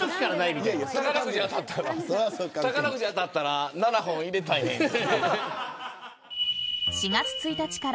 宝くじ当たったら７本、入れたいねんって。